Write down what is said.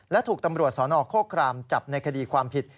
และถูกตำรวจสนโคครามจับในคดีความผิด